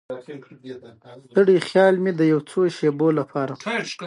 د پاکستان افغاني باغي خلک ورسک ډېم ته ولوېدل.